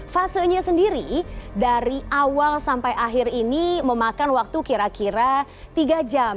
fasenya sendiri dari awal sampai akhir ini memakan waktu kira kira tiga jam